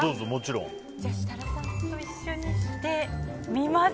じゃあ設楽さんと一緒にしてみます。